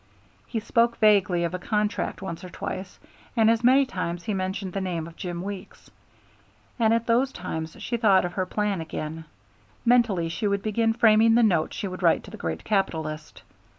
He spoke vaguely of a contract once or twice, and as many times he mentioned the name of Jim Weeks, and at those times she thought of her plan again; mentally she would begin framing the note she would write to the great capitalist.